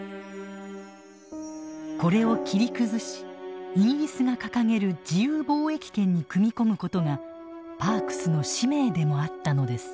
これを切り崩しイギリスが掲げる自由貿易圏に組み込むことがパークスの使命でもあったのです。